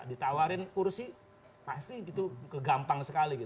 ditawarin kursi pasti itu kegampang sekali